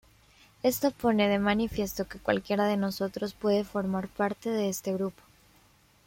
Esto pone de manifiesto que cualquiera de nosotros puede formar parte de este grupo.